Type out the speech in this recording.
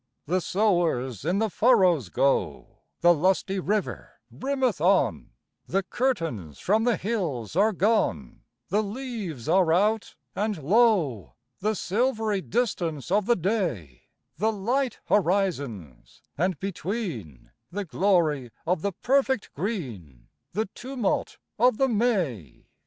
The sowers in the furrows go; The lusty river brimmeth on; The curtains from the hills are gone; The leaves are out; and lo, The silvery distance of the day, The light horizons, and between The glory of the perfect green, The tumult of the May.